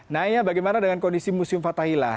naya bagaimana dengan kondisi museum fathahila